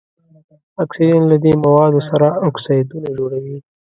اکسیجن له دې موادو سره اکسایدونه جوړوي.